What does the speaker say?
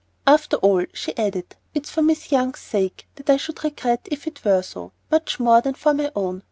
"After all," she added, "it's for Miss Young's sake that I should regret it if it were so, much more than for my own.